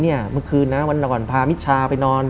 เฮ้ยเนี่ยเมื่อคืนนะวันดังก่อนพามิชชาไปนอน